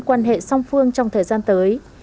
quan hệ song phương trong thời gian tới